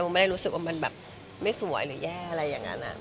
ไม่ได้รู้สึกว่ามันแบบไม่สวยหรือแย่อะไรอย่างนั้น